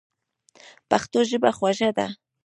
پښتو ژبه خوږه ده.